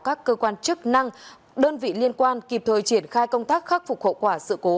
các cơ quan chức năng đơn vị liên quan kịp thời triển khai công tác khắc phục hậu quả sự cố